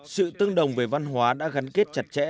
sự tương đồng về văn hóa đã gắn kết chặt chẽ